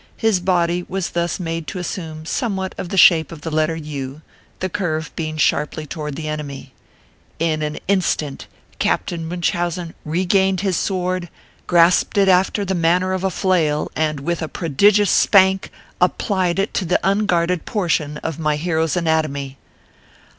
His body was thus made to assume somewhat of the shape of the letter U, the curve being sharply toward the ene my. In an instant Captain Munchausen regained his sword, grasped it after the manner of a flail, and, with a prodigious spank, applied it to the unguarded por tion of my hero s anatomy.